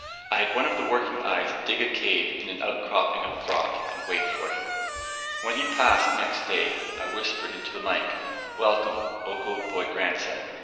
I had one of the working eyes dig a cave in an outcropping of rock and wait for him. When he passed next day, I whispered into the mike: "Welcome, O Goat boy Grandson!